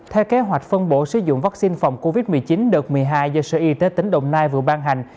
theo kế hoạch phân bổ sử dụng vaccine phòng covid một mươi chín đợt một mươi hai do sở y tế tỉnh đồng nai vừa ban hành